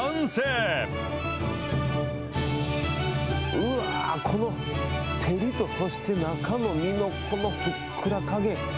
うわー、このてりと、そして中の身のこのふっくら加減。